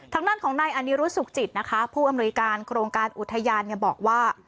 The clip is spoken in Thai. ทางด้านของนายอนิรุธสุขจิตนะคะผู้อำนวยการโครงการอุทยานบอกว่า